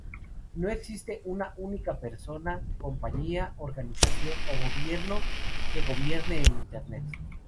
No existe, una única persona, compañía, organización o gobierno que gobierne el internet.